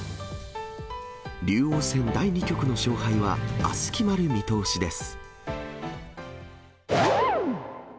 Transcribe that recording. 竜王戦第２局の勝敗はあす決まる見通しです。